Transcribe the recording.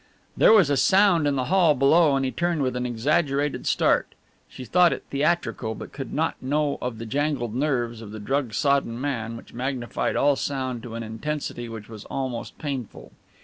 There was a sound in the hall below and he turned with an exaggerated start (she thought it theatrical but could not know of the jangled nerves of the drug soddened man which magnified all sound to an intensity which was almost painful).